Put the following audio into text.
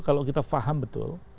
kalau kita faham betul